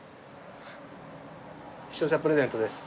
視聴者プレゼントです。